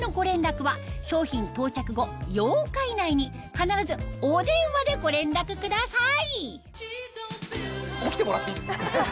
必ずお電話でご連絡ください